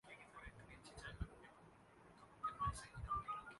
لیکن پھر کیا ہو گا؟